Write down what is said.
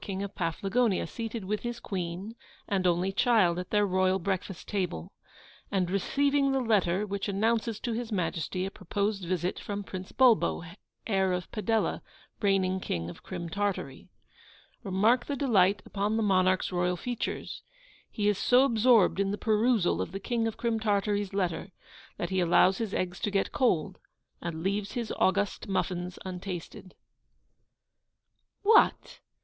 King of Paflagonia, seated with his Queen and only child at their royal breakfast table, and receiving the letter which announces to His Majesty a proposed visit from Prince Bulbo, heir of Padella, reigning King of Crim Tartary. Remark the delight upon the monarch's royal features. He is so absorbed in the perusal of the King of Crim Tartary's letter, that he allows his eggs to get cold, and leaves his august muffins untasted. 'What!